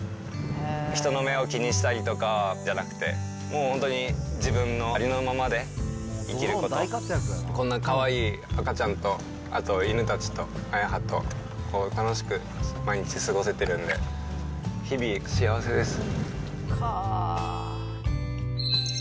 人の目を気にしたりとかじゃなくて、もう本当に自分のありのままで生きること、こんなかわいい赤ちゃんと、あと犬たちと、あやはと、楽しく毎日過ごせてるんで、日々幸せです。